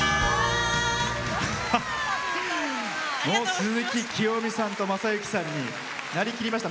鈴木聖美さんと雅之さんになりきりました。